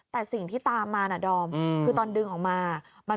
แต่สิ่งที่ตามมานะดอมคือตอนดึงออกมา